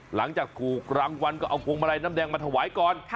หลังจากถูกรางวัลก็เอาพวงมาลัยน้ำแดงมาถวายก่อน